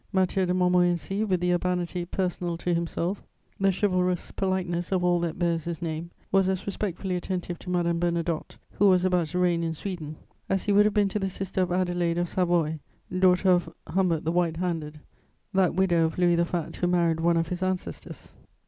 Mathieu de Montmorency, with the urbanity personal to himself, the chivalrous politeness of all that bears his name, was as respectfully attentive to Madame Bernadotte, who was about to reign in Sweden, as he would have been to the sister of Adelaide of Savoy, daughter of Humbert the White handed, that widow of Louis the Fat who married one of his ancestors.